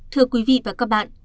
thưa quý vị và các bạn